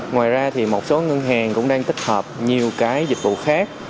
ngoài ra thì một số ngân hàng cũng đang tích hợp nhiều cái dịch vụ khác